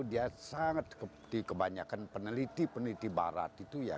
dia sangat dikebanyakan peneliti peneliti barat itu ya